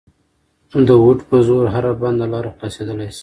د هوډ په زور هره بنده لاره خلاصېدلای سي.